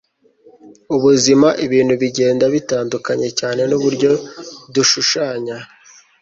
ubuzima? ibintu bigenda bitandukanye cyane nuburyo dushushanya